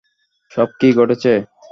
সব কি ঘটেছে?